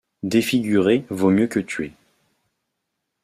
Défigurer vaut mieux que tuer.